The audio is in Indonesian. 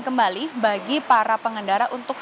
kembali bagi para pengendara untuk